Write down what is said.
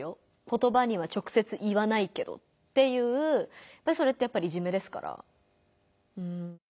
言葉には直接言わないけど」っていうそれってやっぱりいじめですから。